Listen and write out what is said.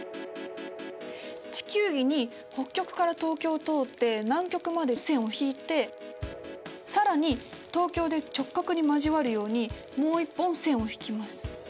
地球儀に北極から東京を通って南極まで線を引いて更に東京で直角に交わるようにもう一本線を引きます。